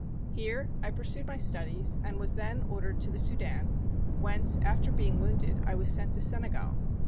Here I pursued my studies and was then ordered to the Soudan, whence, after being wounded, I was sent to Senegal.